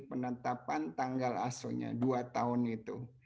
penetapan tanggal asalnya dua tahun itu